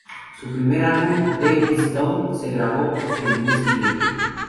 Su primer álbum, "Day Is Done", se grabó el mes siguiente.